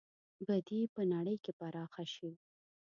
بدي به په نړۍ کې پراخه شي.